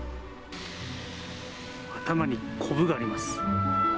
頭にコブがあります。